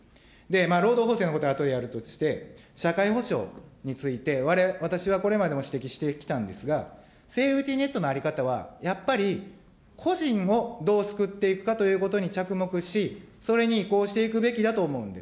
労働法制のことはあとでやるとして、社会保障について、私はこれまでも指摘してきたんですが、セーフティネットの在り方は、やっぱり個人をどう救っていくかということに着目し、それに移行していくべきだと思うんです。